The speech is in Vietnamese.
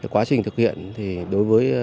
quá trình thực hiện thì đối với